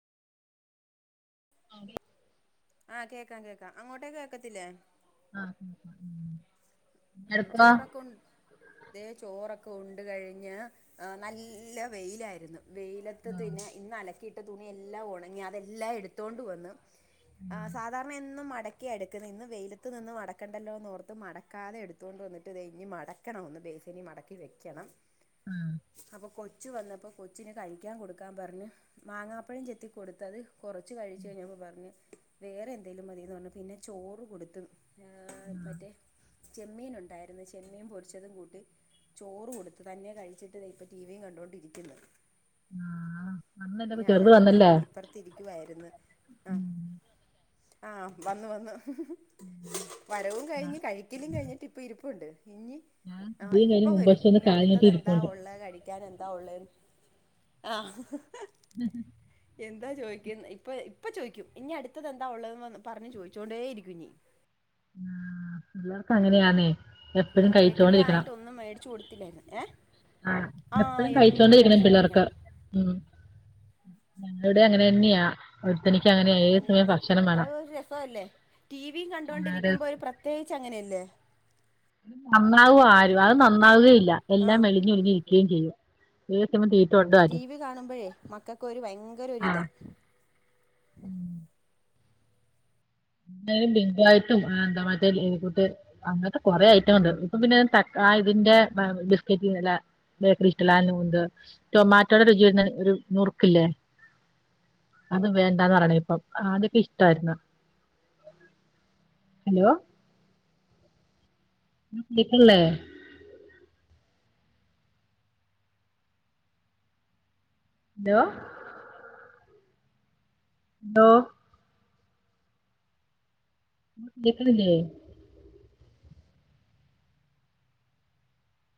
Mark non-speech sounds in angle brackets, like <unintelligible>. <unintelligible> ആഹ് കേക്കാം കേക്കാം അങ്ങോട്ടേക്ക്‌ കേക്കത്തില്ലേ? ആഹ് ഉം എടുക്കുവാ ചോറൊക്കെ ഉ അതേ ചോറൊക്കെ ഉണ്ട് കഴിഞ്ഞ് നല്ല വെയിലായിരുന്നു വെയില റ്റത്ത് ആഹ് പിന്നെ ഇന്ന് അലക്കിയിട്ട തുണി എല്ലാം ഉണങ്ങി അതെല്ലാം എടുത്തോണ്ട് വന്ന്. ആഹ് സാധാരണ എന്നും മടക്കിയ എടുക്കുന്നെ ഇന്ന് വെയിലത്ത് നിന്ന് മടക്കണ്ടല്ലോന്ന് ഓർത്ത് മടക്കാതെ എടു ത്തോണ്ട് വന്നിട്ട് ദേ ഇനി മടക്കണം ഒന്ന് ബെയ്‌സെനി മടക്കി വെക്കണം. ഉം അപ്പൊ കൊച്ചു വന്നപ്പോ കൊച്ചിന് കഴിക്കാൻ കൊടുക്കാൻ പറഞ്ഞ് മാങ്ങാപ്പഴം ചെത്തി കൊടുത്തത് കുറച്ച് കഴിച്ചു കഴിഞ്ഞപ്പോൾ പറഞ്ഞ് വേറെ എന്തേങ്കിലും മതിയെന്ന് പറഞ്ഞ് പിന്നെ ചോറ് കൊടുത്ത്‌ ഏഹ് ആഹ് മറ്റേ ചെമ്മീൻ ഉണ്ടായിരുന്നു ചെമ്മീൻ പൊരിച്ചതും കൂട്ടി. ചോറ് കൊടുത്ത് തന്നെ കഴിച്ചിട്ട് ദേ ഇപ്പൊ ടിവിയും കണ്ടോണ്ടിരിക്കുന്ന്. ആഹ് <unintelligible> ചെറുത് വന്നില്ലേ ത്തിരിക്കുവായിരുന്നു ആഹ് ആഹ് വന്നു വന്നു വരവും കഴിഞ്ഞ് കഴിക്കലും കഴിഞ്ഞിട്ട് ഇപ്പ ഇരിപ്പുണ്ട് ഇനി. ആഹ് ഇതും കഴിഞ്ഞ് ഇപ്പൊ വരും മുമ്പശേ ഒന്ന് ഇനി കാല് നീട്ടി അടുത്തത് എന്താ ഇരിപ്പുണ്ട് ഉള്ളെ കഴി ക്കാൻ എന്താ ഉള്ളേ ആഹ് ഓ എന്താ ചോദിക്ക ഇപ്പൊ ഇപ്പൊ ചോയിക്കും ഇനി അടുത്തത് എന്താ ഉള്ളെന്ന് പറഞ്ഞ് ചോദിച്ചോണ്ടേ ഇരിക്കും ഇനി ആഹ് പിള്ളേർക്ക് അങ്ങനെയാണെ ആഹ് ബേക്കറി ആയിട്ടൊന്നും മേടിച്ചു കൊടുത്തില്ലാ ഇന്ന് ഏഹ് ആഹ് എപ്പഴും കഴിച്ചോണ്ടിരിക്കണം പിള്ളേർക്ക് ഞങ്ങളിവിടേം അങ്ങനെ തന്നെയാ. ഒരുത്തനിക്ക് അങ്ങനെ എന്നും അത് ഒരു രസല്ലേ ടിവിയും കണ്ടുകൊണ്ടിരിക്കുമ്പോ ഒരു പ്രത്യേകിച്ച് അങ്ങനെയല്ലേ. നന്നാവുവോ ആരും അത് നന്നാവുകയില്ല ആ എല്ലാം മെലിഞ്ഞ് ഒലിഞ്ഞിരിക്കുകയും ചെയ്യും ഏത് സമയോം <unintelligible> ടിവി കാണുമ്പോഴേ മക്കൾക്കൊരു ആഹ് ഭയങ്കരൊരിതാ ഉം എന്തായലും ബിങ്കോ ആയിട്ടും ആഹ് എന്താ മാറ്റെലെനെ കൂട്ട് അങ്ങനത്തെ കൊറെ ഐറ്റം ഉണ്ട് ഇപ്പ പിന്നെ തക്കാ ആ ഇതിന്റെ ബിസ്ക്കറ്റ് നല്ല ബേക്കറി ഇട്ടലണ്ട് ടൊമാറ്റോയുടെ രുചി വരുന്ന ഒരു മുറുക്കില്ലേ അത് വേണ്ടാന്ന് പറയണ ഇപ്പം അതൊക്കെ ഇഷ്ടയിരുന്നു ഹലോ കേൾക്കല്ലേ ഹലോ ഹലോ കേക്കുനില്ലേ